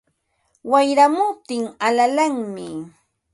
Wayramuptin alalanmi